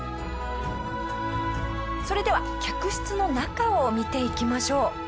それでは客室の中を見ていきましょう。